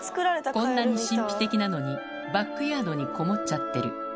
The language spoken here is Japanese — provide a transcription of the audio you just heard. こんなに神秘的なのにバックヤードにこもっちゃってる